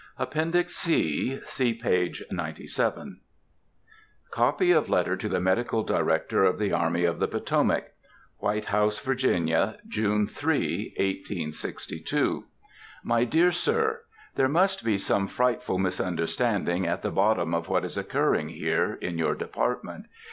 APPENDIX C. See page 97. Copy of Letter to the Medical Director of the Army of the Potomac. White House, Va., June 3, 1862. MY DEAR SIR:—There must be some frightful misunderstanding at the bottom of what is occurring here, in your department.